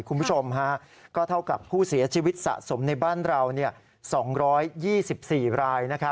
คุณผู้ชมก็เท่ากับผู้เสียชีวิตสะสมในบ้านเรา๒๒๔ราย